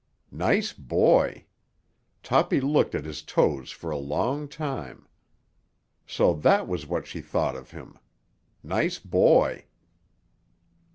Nice boy! Toppy looked at his toes for a long time. So that was what she thought of him! Nice boy!